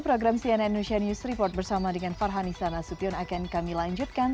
program cnn news report bersama dengan farhan isana subyon akan kami lanjutkan